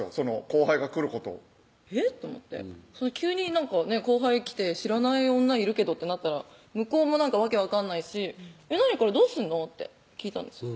後輩が来ることえっ？と思って急に後輩来て「知らない女いるけど」ってなったら向こうも訳分かんないし「何？これどうすんの？」って聞いたんですよ